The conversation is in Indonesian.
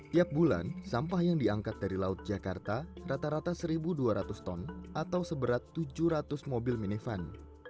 tiap bulan sampah yang diangkat dari laut jakarta rata rata satu dua ratus ton atau seberat tujuh ratus mobil minivan